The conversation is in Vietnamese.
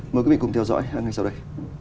mời quý vị cùng theo dõi hàng ngày sau đây